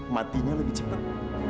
matinya lebih cepet